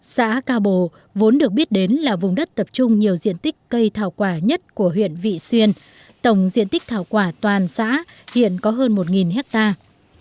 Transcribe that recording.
xã cao bồ vốn được biết đến là vùng đất tập trung nhiều diện tích cây thảo quả nhất của huyện vị xuyên tổng diện tích thảo quả toàn xã hiện có hơn một hectare